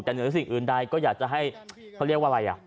แต่เหนือสิ่งอื่นใดก็อยากจะให้เขาเรียกว่าอะไรอ่ะ